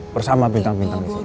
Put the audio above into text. bersama bintang bintang disini